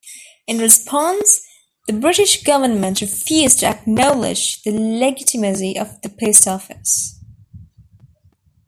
In response, the British government refused to acknowledge the legitimacy of the post office.